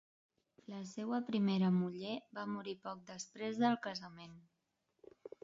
La seua primera muller va morir poc després del casament.